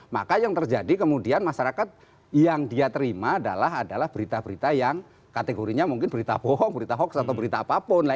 maka yang terjadi kemudian masyarakat yang dia terima adalah berita berita yang kategorinya mungkin berita bohong berita hoax atau berita apapun